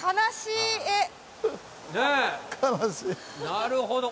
なるほど。